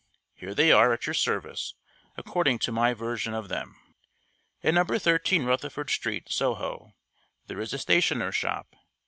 Here they are at your service, according to my version of them. At Number Thirteen Rutherford Street, Soho, there is a stationer's shop.